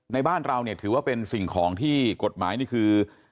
ในบ้านเราเนี่ยถือว่าเป็นสิ่งของที่กฎหมายนี่คือ